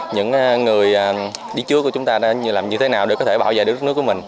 những người đi trước của chúng ta đã làm như thế nào để có thể bảo vệ được đất nước của mình